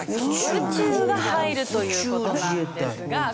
「宇宙」が入るという事なんですが。